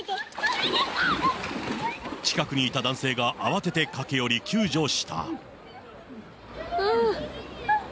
近くにいた男性が慌てて駆け寄り、救助した。